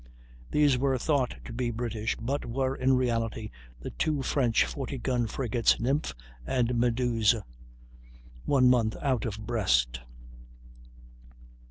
These were thought to be British, but were in reality the two French 40 gun frigates Nymphe and Meduse, one month out of Brest.